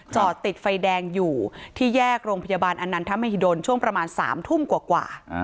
จอดติดไฟแดงอยู่ที่แยกโรงพยาบาลอนันทมหิดลช่วงประมาณ๓ทุ่มกว่า